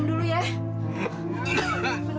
enggak darah pun